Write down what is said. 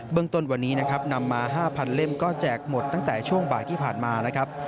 เบื้องต้นวันนี้นำมา๕๐๐๐เล่มก็แจกหมดตั้งแต่ช่วงบาทที่ผ่านมา